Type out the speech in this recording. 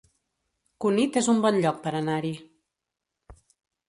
Cunit es un bon lloc per anar-hi